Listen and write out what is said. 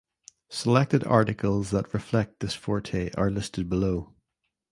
Selected articles that reflect this forte are listed below.